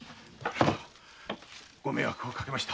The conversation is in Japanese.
ご迷惑かけました。